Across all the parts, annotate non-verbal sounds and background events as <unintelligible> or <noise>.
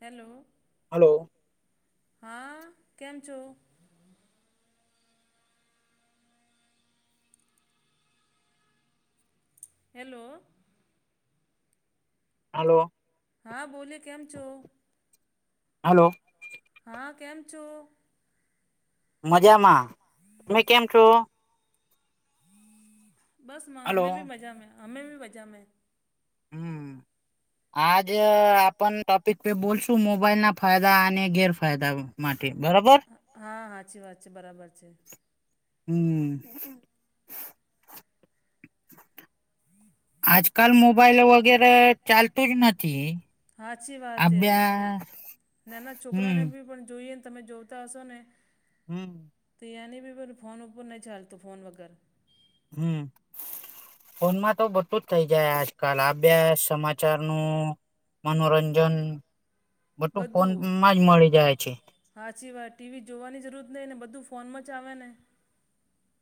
Hello. Hello. હા, કેમ છો? હેલો. હાલો. હા, બોલી કેમ છો? હલો. હા, કેમ છો? મજામાં. તમે કેમ છો? બસમાં. હલો હમે બી મજામાં. અમે બી મજામાં. હમ. આજ આપણ ટોપિક પે બોલશું, મોબાઈલ ના ફાયદા અને ગેરફાયદા. માટે બરોબર, હા સાચી વાત છે બરાબર છે હમ. આજકાલ મોબાઈલ વગેરે, ચાલતું જ નથી. હાચી વાત. એ અભ્યા નાના હમ છોકરાને બી પણ જોઈએ ને, તમે જોતા હશો ને. હમ. તો એની બી પણ ફોન ઉપર ન ચાલતો, ફોન વગર. હમ. ફોનમાં તો બધું જ થઇ જાય, આજકાલ અભ્યાસ સમાચાર નું મનોરંજન બધું ફોનમાં જ મળી જાય છે. હા, સિવાય ટીવી જોવાની જરૂરત નહીં ને, બધું ફોનમાં જ આવે ને.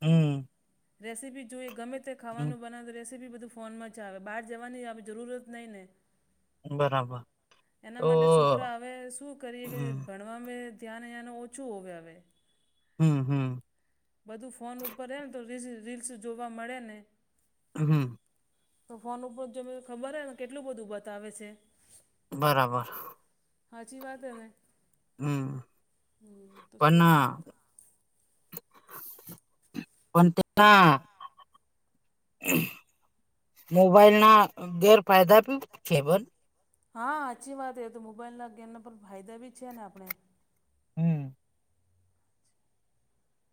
હમ. રેસીપી જોઈએ, ગમે તે હમ ખાવાનું બનાવતું રેસી બી બધું ફોનમાં જ આવે, બહાર જવાની જરૂરત નહીં ને. બરાબર એના તો માટે છોકરા આવે શું કરીએ કે, હમ ભ ભણે ધ્યાન અ ઓછું હો હવે. હમ, હમ. બધું ફોન ઉપર રહે ને, તો રી રીલ્સ જોવા મળે ને. હમ. તો ફોન ઉપર જોમ ખબર હ ને, કેટલું બધું બતાવે છે. બરાબર. હાજી વાત હે ને હમ હમ્મ તો પણ છોકરાને પણ તે આ મોબાઈલ ના ગેરફાયદા બી છે બન હા, હાચી વાત એ તો મોબાઈલના ગેમના પણ ફાયદા બી છે ને આપણે. હમ્મ.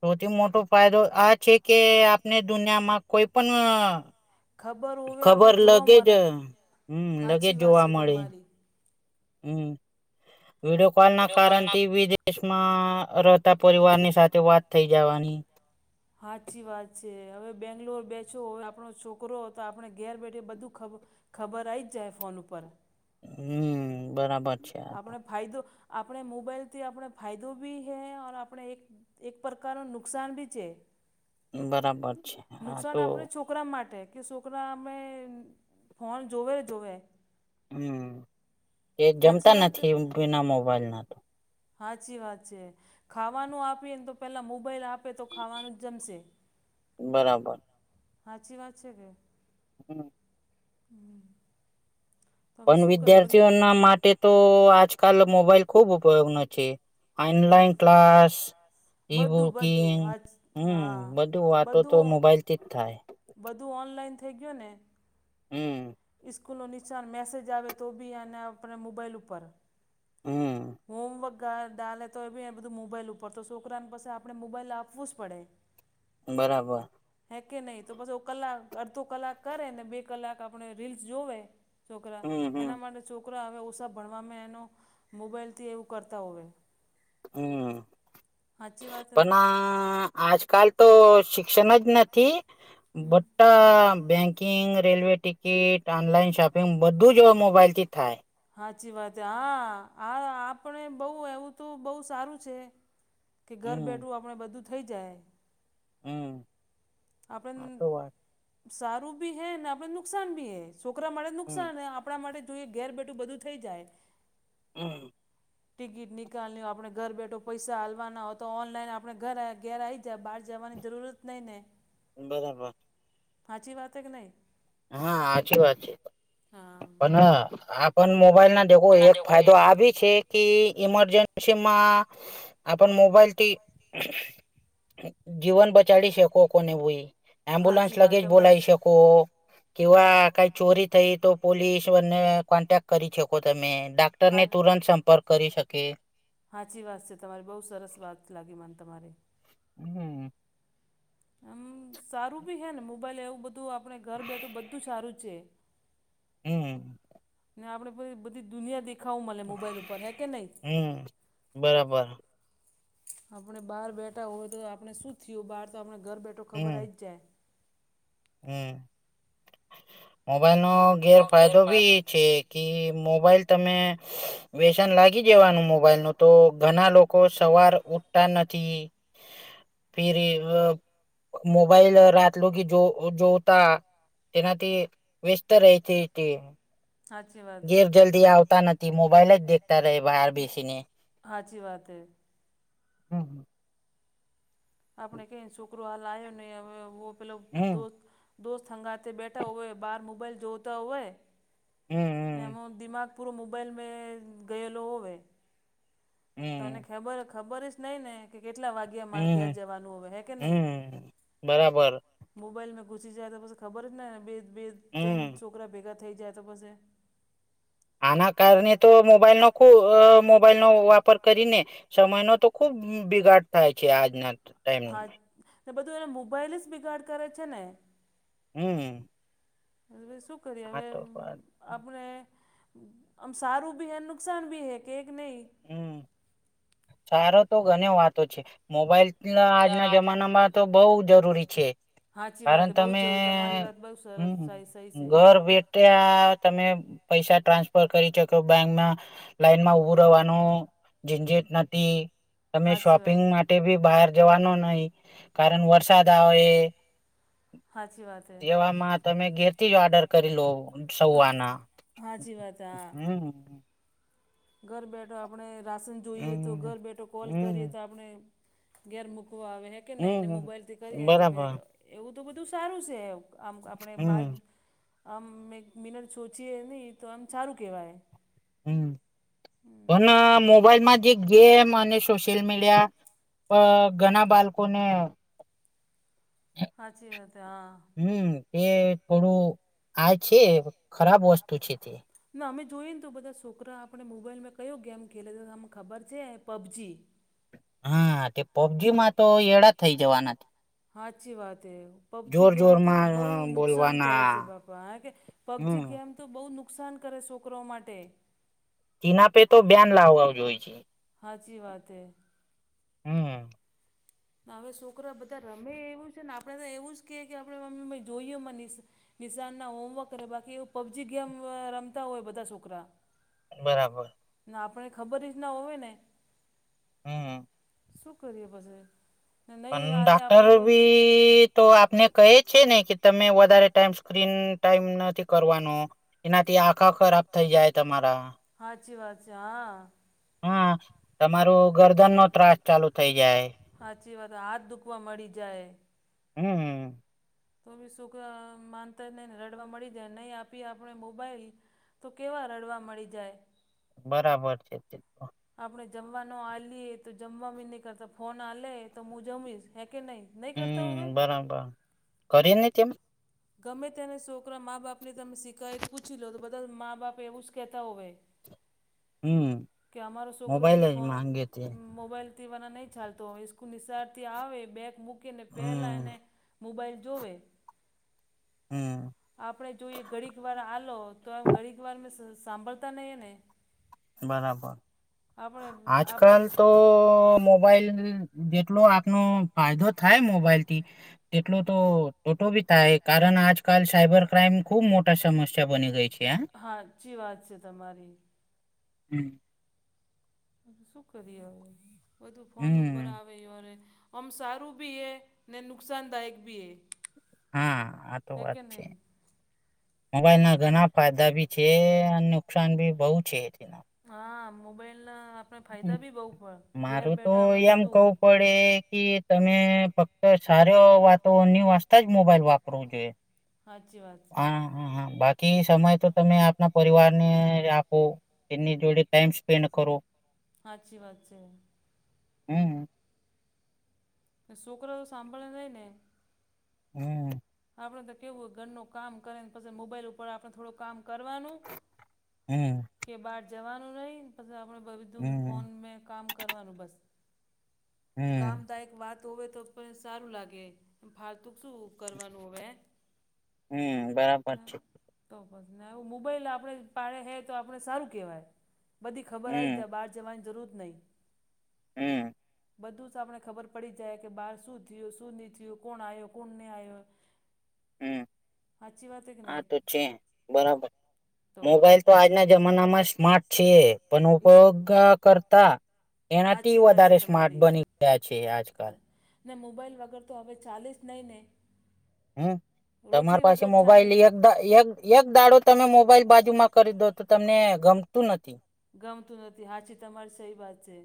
સૌથી મોટો ફાયદો આ છે કે આપણે દુનિયામાં કોઈ પણ અહ ખબર હોવે આપણે ખબર જોવા લગે જ મળે હમ્મ લગેજ સાચી વાત જોવા છે મળે તમારી હમ્મ, વિડીયો કોલ ના કારણથી બી તે દેશમાં રહેતા પરિવારની સાથે વાત થઈ જવાની. હાચી વાત છે હવે બેંગ્લોર બેસોવે આપણો છોકરો તો આપણે ઘેર બેઠી બધું ખબ ખબર આઈ જ જાય ફોન ઉપર. હમ્મ, બરાબર છે. આ તો આપણે ફાયદો આપણે મોબાઈલથી આપણે ફાયદો ભી હૈ ઔર આપણે એક એક પ્રકાર નો નુકસાન ભી છે. બરાબર છે હા નુકસાન તો આપણે છોકરા માટે કે છોકરા અમે ફોન જોવે જોવે. હમ્મ એ સાચી જમતા વાત નથી વિના મોબાઈલ ના તો હાચી વાત છે ખાવાનું આપી એને તો પેલા મોબાઈલ આપ તે તો ખાવાનું જ જમશે, બરાબર હાચી વાત છે કે? હમ્મ. હમ્મ. પણ વિદ્યાર્થીઓના માટે તો આજકાલ મોબાઈલ ખુબ ઉપયોગનો છે. હા ઓનલાઇન ક્લાસ ઈ બધું બધું બુકિંગ હા હમ્મ હા બધું વાતો તો બધું મોબાઈલથી જ થાય. બધું ઓનલાઈન થઈ ગયું ને હમ્મ. સ્કૂલ નો નિશાન મેસેજ આવે તો બી એને આપણે મોબાઈલ ઉપર હમ હોમવર્ક કા ડાલે તો એ બી બધું મોબાઈલ ઉપર તો છોકરાને પાસે આપડે મોબાઈલ આપવું જ પડે. બરાબર. હે કે નહી તો પછ કલાક અડધો કલાક કરેને બે કલાક આપડે રીલ્સ જોવે છોકરા હમ હમ એના માટે છોકરા હવે ઓછા ભણવામાં એનો મોબાઈલથી એવું કરતા હોવે. હમ્મ સાચી વાત પણ ને આ આજકાલ તો શિક્ષણ જ નથી હમ બટા banking railway ticket online shopping બધું જ હવે મોબાઈલથી થાય. હાચી વાત હા આ આપણે બહ એવું તો બહુ સારું છે. કે ઘર હમ બેઠું આપણે બધું થઈ જાય. હમ્મ. આપડન સારું બી હૈ ને આપને નુકસાન બી હૈ છોકરા માટે હમ નુકસાન હે આપ આપણા માટે જોઈએ ઘેર બેઠું બધું થઈ જાય. હમ્મ. ટિકિટ નીકાલની આપડે ઘર બેઠો પૈસા હાલવાના હો તો ઓનલાઈન આપડે ઘર ઘેર આઈ ત્યાં બહાર જવાની જરૂર જ નહીં ને બરાબર. હાજી વાત હે કે નહી? હા સાચી વાત છે હા પણ હ આપણ મોબાઈલ ના એક ફાયદો આ ભી છે કે ઈમરજન્સી માં આપણ મોબાઈલથી જીવન બચ ચડી શકો કોને ભ એમ્બ્યુલન્સ સાચી લગે વાત જ તમારી બોલાવી શકો કઈ ચોરી થઈ તો પોલીસને કોન્ટેક કરી શકો તમે ર ને હા તુરંત સંપર્ક કરી શકે સાાચી વાત છે તમારી બહુ સરસ વાત લાગી મને તમારી હમ્મમ આમ સારું બી હે ને મોબાઈલ એવું બધું બધું આપણે ઘર બેઠું બધું સારું છે હમ્મ ને આપડેી બધી દુનિયા દેખાવા મલે મોબાઈલ ઉપર એ કે નહી હમ બરાબર આપણે બહાર બેઠા હોય તો આપણે શું થયું બહાર તો આપણે ઘર બેઠો ખબર આઇ જાય હમ્મ મોબાઈલ નો ગેરફાયદો બી છે કે મોબાઈલ તમે વ્યસન લાગી જવાનું મોબાઈલ નું તો ઘણા લોકો સવાર ઉઠતા નથી ફર મોબાઈલ રાત લો કે જો જોતા તેનાથી વ્યસ્ત રહેતી હતી સાાચી વાત હે. ઘેર જલ્દી આવતા નથી મોબાઈલ જ દેખતા રહે બહાર બેસીને હાચી વાત હૈ. હમ્મ આપણે કે છોકરો લાયો નહી, હવે એવું આ પેલા દો હમ દોસ્ત હંગાથે બેઠા હોવે, બહાર મોબાઈલ જોતા હોય. ને એમ હમ દિમાગ પૂરો મોબાઈલ મે ગયેલો હોવે. તોને હમ ખબર ખબર જ નહી ને કે કેટલા વાગ હમ અમારે ઘેર હમ જવાનું હવે હે કે નહી. હમ બરાબર મોબાઈલમાં ઘુસી જાય તો પછી ખબર જ નેને બે બે તન હમ છોકરા ભેગા થઈ જાય તો પછી આના કારણે તો મોબાઈલનો ખુબ, મોબાઈલનો વાપર કરીને સમયનો તો ખુબ બિગાડ થાય છે. આજના ટાઈમ હા બધું એને મોબાઈલ જ બિગાડ કરે છે ને. હમ્મ શું કરીએ હવે? વાત આપણે અમ સારું ભી હૈ, નુકસાન ભી હૈ કેક નહીં. હમ. સારો તો ઘણી વાતો છે. મોબાઈલના આજના જમાનામાં તો બહુ જરૂરી છે. હાચી વાત કારણ હે બહુ જ તમે જરૂર તમારી વાત બહુ સરસ હમ સહી સહી છે ઘર બેઠ ત્યાં તમે પૈસા ટ્રાન્સફર કરી શક્યો બેંકમાં, લાઈનમાં ઉભુ દવાનો ઝંઝટ નથી તમે હાચી શપિંગ વાત માટે- ભી બહાર જવાનો નહી. કારણ વરસાદ આવે. સાાચી વાત હ. એવામાં તમે ઘેરથી જ ઓર્ડર કરી લો સૌવાના. હા, જી વાત હમ ઘર બેઠો આપણે રાશન જોઈએ તો, હમ ઘર બેઠો કોલ હમ કરીએ તો આપણે ઘેર મૂકવા આવેે કે નહીને મોબાઈલથી હમ કરીએ કે પ બરાબર એવું તો બધું સારું છે, આમ આપણે બા હમ આમ મે મિનટ સોચીએ નહીં, તો એમ સારું કહેવાય. હમ, હમ પણ મોબાઈલમાં જે ગેમ, અને સોશિયલ મીડિયા અ ઘણા બાળકોને સાાચી વાત, હા. હમ, તે થોડું આ છે, ખરાબ વસ્તુ છે તે. ના અમે જોઈએ ને, તો બધા છોકરા આપણે મોબાઈલમાં કયો ગેમ ખેલે, તમે ખબર છે પબજી. હા, તે પબજીમાં તો એડા થઈ જવા નથી. હાચી વાત હૈ. પબજી ગેમ તો જોરમાં બહુ નુકસાન કરે બોલવાના છે, બાપા, કારણ કે હમ પબજી ગેમ તો બહુ નુકસાન કરે, છોકરો માટે. એના પે તો બેન લાવવા જો હોય છે. હાચી વાત હૈં. હમ. હવે, છોકરા બધા રમે એવું છે ને, આપણે તો એવું જ કે, કે આપણે મમ્મી જોઈએ મનીશ. નિશાનના હોમવર્ક કરે, બાકી એવ પબજી ગેમ રમતા હોય, બધા છોકરા. બરાબર. ના આપણને ખબર જ ના હોય ને. હમ. શું કરીએ પછી નહીં પણ હાલે ડાક્ટર આપણે તો બી તો આપણે કહી છે ને, કે તમે વધારે ટાઈમ સ્ક્રીન ટાઈમ નથી કરવાનો. એનાથી આખા ખરાબ થઇ જાય, તમારા. સાાચી વાત છે, હા. હા, તમારું ગરદનનો ત્રાસ ચાલુ થઇ જાય. સાચી વાત, હાથ દુખવા મળી જાય. હમ, હમ. તો બી સુખ માનતા નહીને, રડવા મળી જાય નહી આપી, આપણે મોબાઈલ તો કેવા રડવા મળી જાય. બરાબર છે. આપણે જમવા ન આલીએ તો, જમવા નહી કરતા, ફોન આલે તો, હું જમીશ હે કે નહીં. નહીં કરતા હમ, હવે બરાબર કરી નહી તેમ. ગમે તેને છોકરા મા બાપને, તમે શીખાયત પૂછી લો, તો બધા મા-બાપ એવું જ કહેતા હોય. <unintelligible> કે અમારો છોકરો મોબાઈલ બી જ ફો માંગે તે મોબાઈલ વા નહી ચાલતો, કુલ નિશારથી આવે, બેગ મૂકીને પહેલા હમ એને મોબાઈલ જોવે. હમ. આપણે જોઈએ ઘડીક વાર આલો તો, આમ ઘડીક વાર મેં સાંભળતા નહી ને. બરાબર. આપણે આપણે આજકાલ તો મોબાઈલ જેટલો આપનો ફાયદો. થાય, મોબાઈલ થી તેટલો તો ઓટો ભી થાય, કારણ આજકાલ સાયબર ક્રાઈમ ખુબ મોટા સમસ્યા બની ગઈ છે, આ હાચી વાત છે તમારી. હમ. શું કરી? બધું ફોન ઉપર હમ, આવે અરે અમ સારું ભી હૈ ને નુકસાનદાયક ભી હૈ. હા આ તો વાત છે. મોબાઈલ ના ઘણા ફાયદા ભી છે. અને નુકસાન ભી બઉ છેના હા મોબાઈલ ના આપણે ફાયદા બી બઉ, પે ઘેર બેઠા આપણે બધું તે કી તમે ફક્ત સારી વાતોની વાસતા જ મોબાઈલ વાપરવું જોએ. કે <unintelligible> હા અચ્છી વાત છે. હ હા બાકી સમય તો તમે આપના પરિવારને આપો. એની જોડે ટાઈમ સ્પેન્ડ કરો. સાચી વાત છે. હમ, છોકરા તો સાંભળ નઈ ને હમ આપડે તો કેવું હોય, ઘરનું કામ કરે ને પછી મોબાઈલ ઉપર આપણે થોડું કામ કરવાનું. હમ, કે બહાર જવાનું નહી પછ આપડે બધું ફોન હમ, મે કામ કરવાનું બસ, હમ, કામદાયક વાત વે તો પણ સારું લાગે ફાળતું શું કરવાનું હવે હે? હમ બરાબર છે. તો બસ ને આવું મોબાઈલ આપડે પાડે હે તો આપણે સારું કેહેવાય. બધી ખબર આવી હમ, જાય બહાર જવાની જરૂર નહીં. હમ બધું જ આપને ખબર પડી જાય કે બહાર શું થયું, શું નહીં થયું, કોણ આવ, કોણ નહીં આવ્યો? હમ સાચી વાત કે આ નહીં તો છે બરાબર, મોબાઈલ તો આજના જમાના માં સ્માર્ટ છે પણ ઉપયોગ કરતા એનાથી સાચી વાત છે વધારે સ્માર્ટ તમારી બની ગયા છે, આજકાલ ને મોબાઈલ વગર તો હવે ચાલે જ નહીં નેં હમ તમારી પાસે મોબાઈલ ચાલી એકદા એક એક દાડો તમે મોબાઈલ બાજુમાં કરી દો તો તમને ગમતું નથી. ગમતું નથી. હાચી તમારી સહી વાત છે.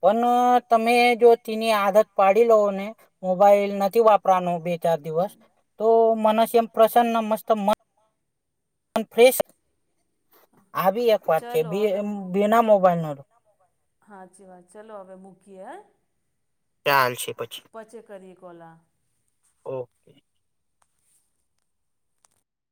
પણ તમે જો તેની આદત પાડી લોવ ને મોબાઈલ નથી વાપરાનું બે ચાર દિવસ તો મનસ એમ પ્રસન્ન મસ્ત મ અન ફ્રેેશ <inaudible> આવી એક વાત છે ચલો બે હવે બેના મૂક મોબાઈલ ન હાચી વાત ચાલો હવે મૂકીએ હે. ચાલશે પછી. પચે કરીએ કોલા. ઓકે